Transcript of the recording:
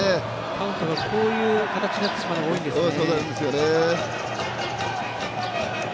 カウントがこういう形になってしまうことが多いんですかね。